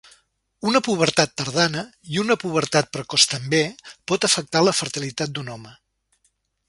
Una pubertat tardana, i una pubertat precoç també, pot afectar la fertilitat d'un home.